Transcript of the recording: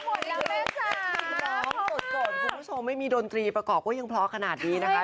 น้องโจทย์โจทย์คุณผู้ชมไม่มีดนตรีประกอบก็ยังพอขนาดนี้นะคะ